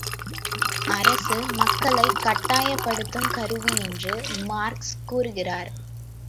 அரசு, மக்களைக் கட்டாயப்படுத்தும் கருவி என்று மார்க்ஸ் கூறுகிறார்.